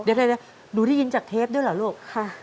เดี๋ยวหนูได้ยินจากเทปด้วยเหรอลูก